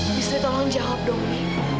bistri tolong jawab dong bi